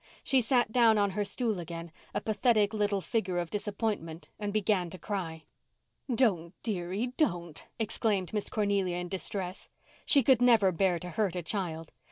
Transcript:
She sat down on her stool again, a pathetic little figure of disappointment, and began to cry. "Don't—dearie—don't," exclaimed Miss Cornelia in distress. She could never bear to hurt a child.